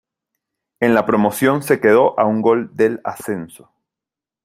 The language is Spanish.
En la promoción se quedó a un gol del ascenso.